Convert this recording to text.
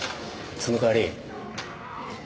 その代わり。